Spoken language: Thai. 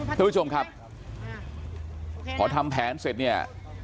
ท่านผู้ชมครับพอทำแผนเสร็จเนี่ย